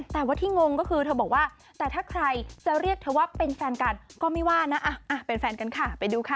แต่ว่าที่งงก็คือเธอบอกว่าแต่ถ้าใครจะเรียกเธอว่าเป็นแฟนกันก็ไม่ว่านะเป็นแฟนกันค่ะไปดูค่ะ